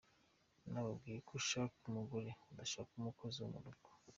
Unababwire ko ushaka umugore udashaka umukozi wo mu rugo.